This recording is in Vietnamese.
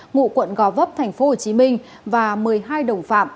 ngụ quận gò vấp tp hcm và một mươi hai đồng phạm